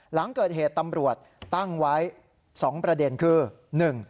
หลังเกิดเหตุตำรวจตั้งไว้๒ประเด็นคือ